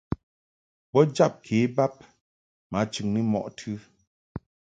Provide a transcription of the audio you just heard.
Bo jab ke bab ma chɨŋni mɔʼ tɨ.